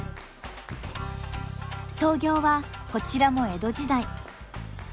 創業はこちらも江戸時代。